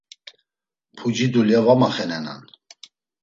Puci dulya var maxenenan.